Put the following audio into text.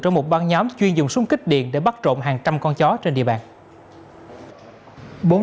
trong một ban nhóm chuyên dùng súng kích điện để bắt trộn hàng trăm con chó trên địa bàn